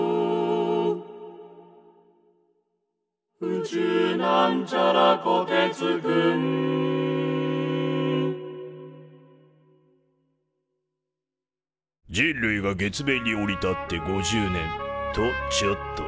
「宇宙」人類が月面に降り立って５０年。とちょっと！